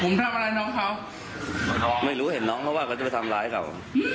ไม่รู้เห็นน้องมาว่าก็จะไปทำร้ายกับ